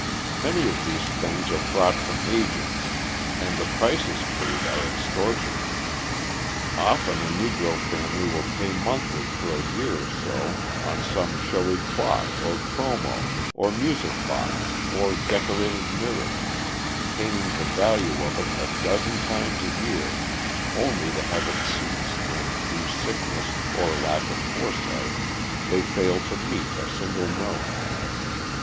Many of these things are bought from agents and the prices paid are extortionate. Often a Negro family will pay monthly for a year or so on some showy clock or chromo or music box or decorated mirror paying the value of it a dozen times over, only to have it seized when through sickness, or lack of foresight, they fail to meet a single note.